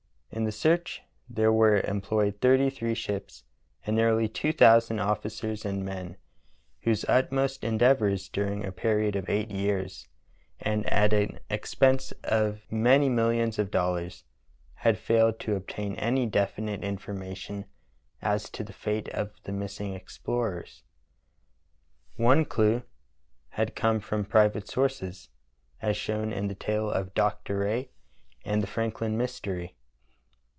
In the search there were em ployed thirty three ships and nearly two thousand officers and men, whose utmost endeavors during a period of eight years, and at an expense of many mill ions of dollars, had failed to obtain any definite in formation as to the fate of the missing explorers. One clew had come from private sources, as shown in the tale of "Dr. Rae and the Franklin Mystery."